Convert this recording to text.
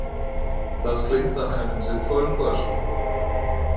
Das klingt nach einem sinnvollen Vorschlag.